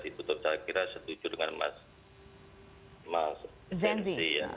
itu saya kira setuju dengan mas zenzi